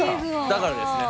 だからですね。